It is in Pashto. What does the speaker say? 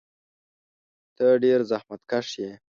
ته ډېر زحمتکښ یې.